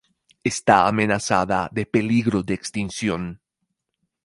Está amenazada de peligro de extinción.